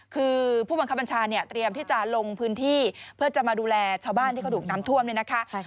คือผู้บังคับบัญชาเนี่ยเตรียมที่จะลงพื้นที่เพื่อจะมาดูแลชาวบ้านที่เขาถูกน้ำท่วมเนี่ยนะคะ